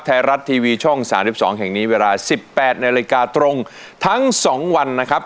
ไทยรัฐทีวีช่องสามสิบสองแห่งนี้เวลาสิบแปดในรายการตรงทั้งสองวันนะครับ